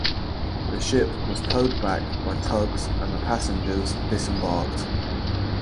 The ship was towed back by tugs and the passengers disembarked.